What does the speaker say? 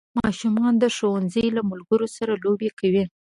ماشومان د ښوونځي له ملګرو سره لوبې کوي